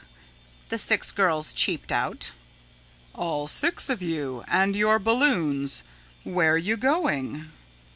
the six girls cheeped out. "All six of you and your balloons, where you going?"